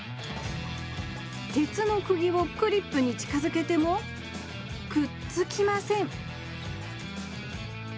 鉄のくぎをクリップに近づけてもくっつきません